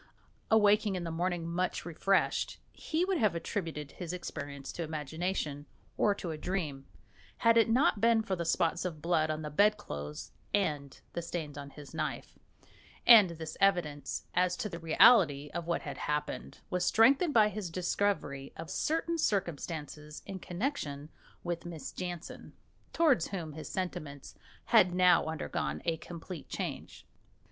Awaking in the morning much refreshed, he would have attributed his experience to imagination or to a dream, had it not been for the spots of blood on the bedclothes and the stains on his knife, and this evidence, as to the reality of what had happened, was strengthened by his discovery of certain circumstances in connexion with Miss Jansen, towards whom his sentiments had now undergone a complete change.